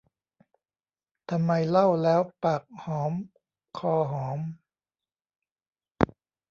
ทำไมเล่าแล้วปากหอมคอหอม